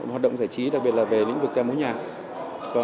hoạt động giải trí đặc biệt là về lĩnh vực ca mối nhạc